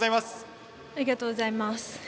ありがとうございます。